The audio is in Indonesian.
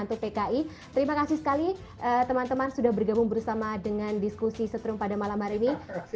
terima kasih sekali teman teman sudah bergabung bersama dengan diskusi setrum pada malam hari ini